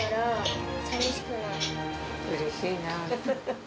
うれしいな。